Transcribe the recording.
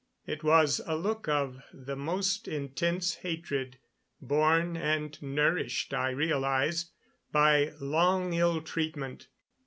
It was a look of the most intense hatred, born and nourished, I realized, by long ill treatment.